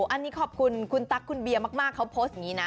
อันนี้ขอบคุณคุณตั๊กคุณเบียมากเขาโพสต์อย่างนี้นะ